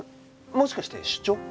もしかして出張？